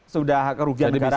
sudah kerugian negara ada